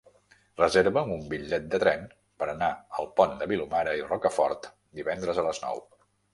Reserva'm un bitllet de tren per anar al Pont de Vilomara i Rocafort divendres a les nou.